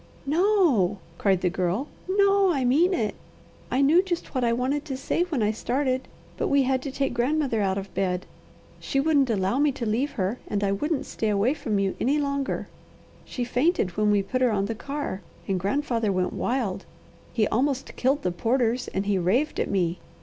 "No!" cried the Girl. "No! I mean it! I knew just what I wanted to say when I started; but we had to take grandmother out of bed. She wouldn't allow me to leave her, and I wouldn't stay away from you any longer. She fainted when we put her on the car and grandfather went wild. He almost killed the porters, and he raved at me.